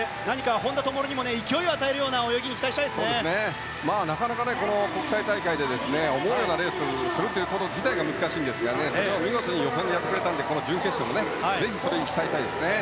本多灯にも勢いを与えるような国際大会で思うようなレースをすること自体が難しいんですがそれを見事に予選でやってくれたので準決勝もぜひ期待したいですね。